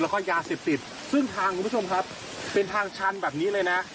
แล้วก็ยาเสพติดซึ่งทางคุณผู้ชมครับเป็นทางชันแบบนี้เลยนะ